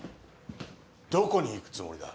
どこに行くつもりだ？